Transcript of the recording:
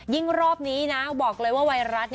รอบนี้นะบอกเลยว่าไวรัส